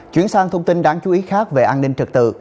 chuyển sang thông tin đáng chú ý khác về an ninh trật tự